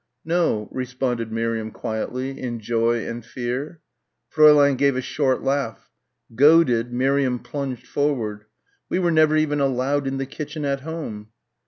"No," responded Miriam quietly, in joy and fear. Fräulein gave a short laugh. Goaded, Miriam plunged forward. "We were never even allowed in the kitchen at home."